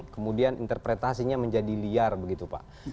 kemudian interpretasinya menjadi liar begitu pak